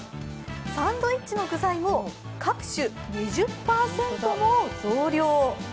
サンドイッチの具材も各種２０％も増量。